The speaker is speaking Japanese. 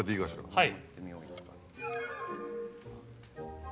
はい。